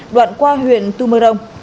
đoạn qua huyện tumarong